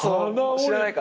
知らないか。